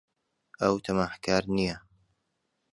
ئەو تەماحکار نییە.